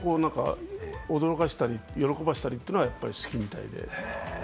人を驚かせたり喜ばせたっていうのは好きみたいで。